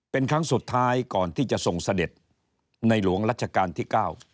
เป็นครั้งสุดท้ายก่อนที่จะส่งเสด็จในหลวงรัชกาลที่๙